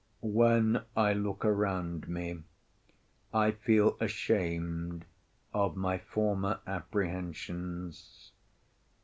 When I look around me I feel ashamed of my former apprehensions.